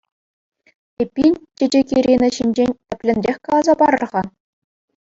Эппин, Чечек-Ирина ҫинчен тӗплӗнрех каласа парӑр-ха?